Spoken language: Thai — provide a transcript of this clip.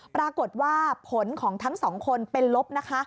ปรากฏว่าผลของทั้งสองคนเป็นลบนะคะ